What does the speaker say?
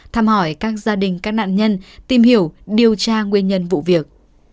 thăm hỏi các gia đình các nạn nhân tìm hiểu điều tra nguyên nhân vụ việc